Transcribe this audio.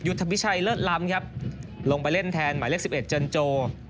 ยุทธพิชัยเลิศล้ำครับลงไปเล่นแทนหมายเลขสิบเอ็ดเจิญโจ